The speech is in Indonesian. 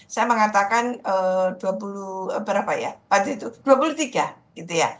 saya mengatakan dua puluh berapa ya waktu itu dua puluh tiga gitu ya